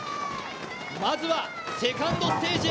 まずはセカンドステージへ。